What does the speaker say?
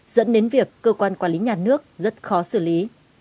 dẫn đến việc cơ quan quản lý nhà nước rất khó xử lý